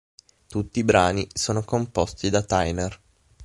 Tutti i brani sono composti da Tyner.